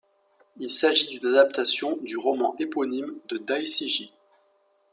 Il s'agit d'une adaptation du roman éponyme de Dai Sijie.